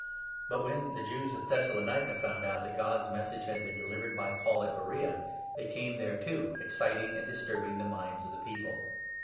But, when the Jews of Thessalonica found out 13 that God's Message had been delivered by Paul at Beroea, they came there too, exciting and disturbing the minds of the people.